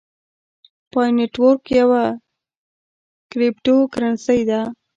پای نیټورک یوه کریپټو کرنسۍ ده